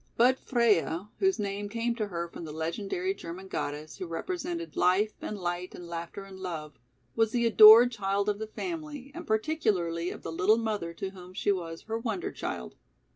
But Freia, whose name came to her from the legendary German goddess, who represented "Life and light and laughter and love," was the adored child of the family and particularly of the little mother to whom she was "her wonder child."